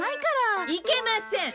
いけません！